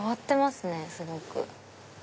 すごく。